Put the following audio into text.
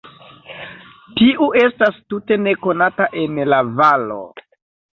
Tiu estas tute nekonata en la valo.